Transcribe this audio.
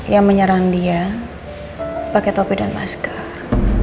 yang menyerang dia pakai topi dan masker